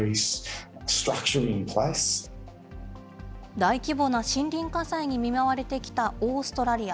大規模な森林火災に見舞われてきたオーストラリア。